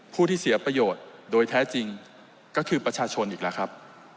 ผู้ที่เสียประโยชน์โดยแท้จริงก็คือประชาชนอีกแล้วครับ